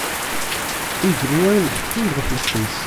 Igenwan ḥekkun-d ɣef lḥeqq-is.